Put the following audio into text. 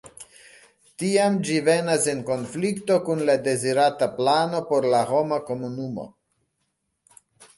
Tiam, ĝi venas en konflikto kun la dezirata plano por la homa komunumo.